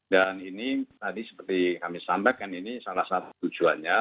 dan ini tadi seperti kami sampaikan ini salah satu tujuannya